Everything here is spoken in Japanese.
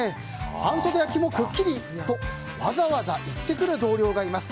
半袖焼けもくっきりとわざわざ言ってくる同僚がいます。